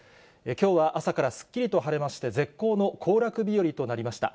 きょうは朝からすっきりと晴れまして、絶好の行楽日和となりました。